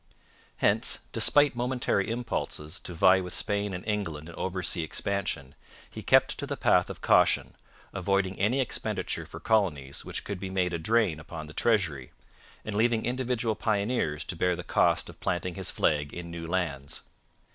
Hence, despite momentary impulses to vie with Spain and England in oversea expansion, he kept to the path of caution, avoiding any expenditure for colonies which could be made a drain upon the treasury, and leaving individual pioneers to bear the cost of planting his flag in new lands.